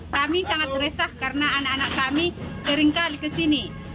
kami sangat resah karena anak anak kami sering kali ke sini